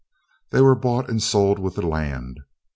They were bought and sold with the land.